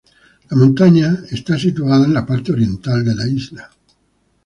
La montaña está situada en la parte oriental de la isla.